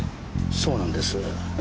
そうなんです。